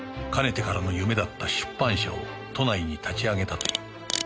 かねてからの夢だった出版社を都内に立ち上げたという